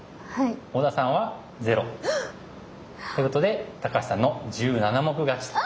小田さんは０。ということで橋さんの１７目勝ちと。